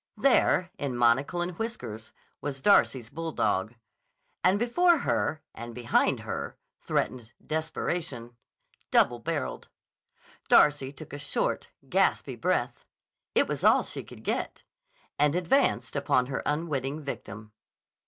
There, in monocle and whiskers, was Darcy's bulldog. And before her and behind her threatened Desperation, double barreled. Darcy took a short, gaspy breath—it was all she could get—and advanced upon her unwitting victim.